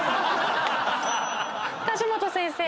梶本先生。